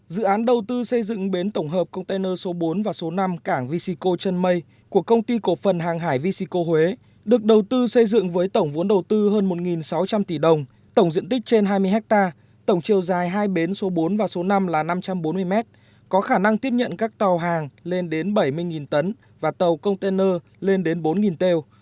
dự án đầu tư xây dựng bến tổng hợp container số bốn và số năm cảng vesico trân mây của công ty cổ phần hàng hải vesico huế được đầu tư xây dựng với tổng vốn đầu tư hơn một sáu trăm linh tỷ đồng tổng diện tích trên hai mươi hectare tổng chiều dài hai bến số bốn và số năm là năm trăm bốn mươi mét có khả năng tiếp nhận các tàu hàng lên đến bảy mươi tấn và tàu container lên đến bốn têo